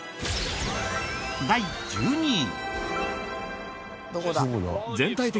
第１２位。